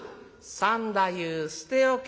「三太夫捨て置け」。